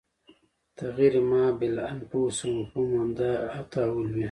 تغیر ما بالانفس مفهوم همدا تحول وي